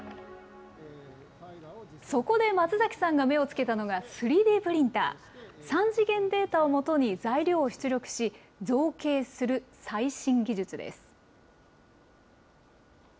そこで松崎さんが目をつけたのが、３Ｄプリンター、３次元データを基に材料を出力し、造形する最新技術です。